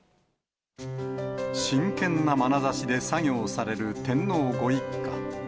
真剣なまなざしで作業される天皇ご一家。